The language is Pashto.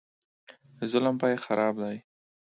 د ظلم پاى خراب دى.